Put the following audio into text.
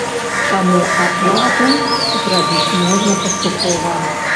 Таму аплату зрабіць можна паступова.